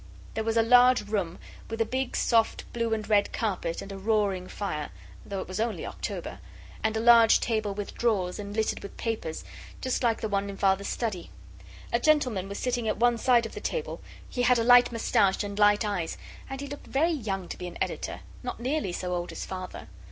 There was a large room, with a big, soft, blue and red carpet, and a roaring fire, though it was only October; and a large table with drawers, and littered with papers, just like the one in Father's study. A gentleman was sitting at one side of the table; he had a light moustache and light eyes, and he looked very young to be an editor not nearly so old as Father.